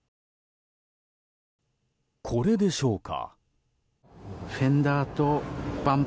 これでしょうか？